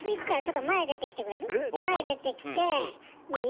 前出てきていい？